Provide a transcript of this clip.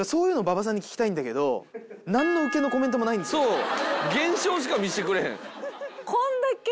そう。